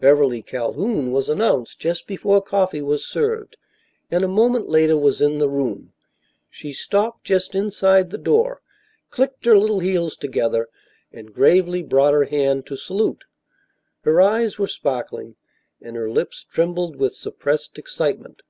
Beverly Calhoun was announced just before coffee was served, and a moment later was in the room. She stopped just inside the door, clicked her little heels together and gravely brought her hand to "salute." Her eyes were sparkling and her lips trembled with suppressed excitement.